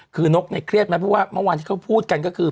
คือนกเนี่ยเครียดไหมเพราะว่าเมื่อวานที่เขาพูดกันก็คือ